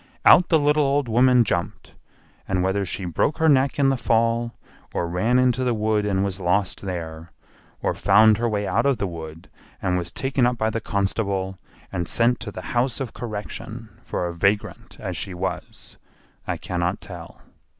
Out the little old woman jumped, and whether she broke her neck in the fall or ran into the wood and was lost there, or found her way out of the wood and was taken up by the constable and sent to the House of Correction for a vagrant as she was, I cannot tell.